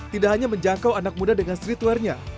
tidak hanya menjangkau anak muda dengan streetwear nya